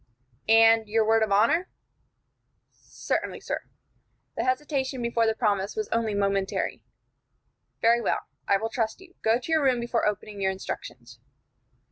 "And your word of honor?" "Certainly, sir." The hesitation before the promise was only momentary. "Very well. I will trust you. Go to your room before opening your instructions."